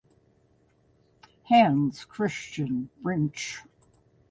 Hans Christian Brinch.